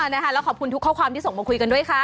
แล้วขอบคุณทุกข้อความที่ส่งมาคุยกันด้วยค่ะ